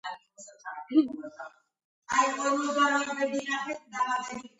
ციხეს გარს აკრავს ფიქლის მაღალი გალავანი, რომელიც მთის ფერდობზე საფეხურებად იშლება.